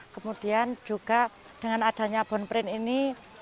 kemudian juga dengan adanya bon pring ini